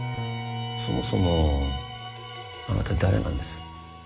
・そもそもあなた誰なんです？